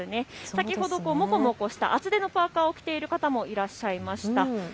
先ほどもこもこした厚手のパーカーを着ている方もいらっしゃいました。